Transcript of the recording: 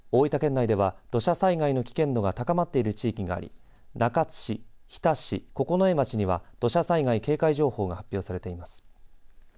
内では土砂災害の危険度が高まっている地域があり中津市、日田市、九重町には土砂災害警戒情報が発表されています。